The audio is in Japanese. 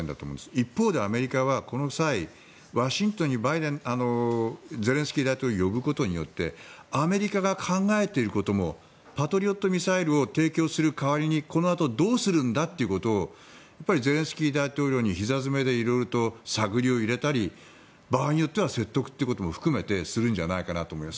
一方で、アメリカはこの際ワシントンにゼレンスキー大統領を呼ぶことによってアメリカが考えていることもパトリオットミサイルを提供する代わりにこのあとどうするんだということをゼレンスキー大統領にひざ詰めで色々と探りを入れたり場合によっては説得も含めてするんじゃないかなと思います。